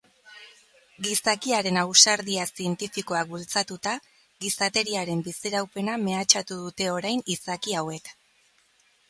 Gizakiaren ausardia zientifikoak bultzatuta, gizateriaren biziraupena mehatxatu dute orain izaki hauek.